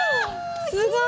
すごい！